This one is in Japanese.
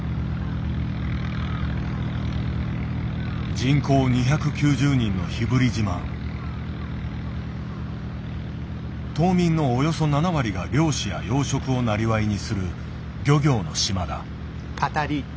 人口２９０人の島民のおよそ７割が漁師や養殖をなりわいにする漁業の島だ。